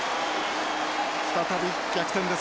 再び逆転です